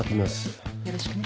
よろしくね。